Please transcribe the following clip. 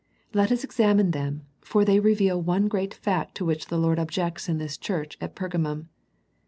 Let us examine them for they reveal one great fact to which the Lord objects in this church at Pergamum.